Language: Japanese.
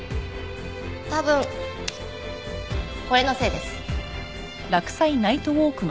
多分これのせいです。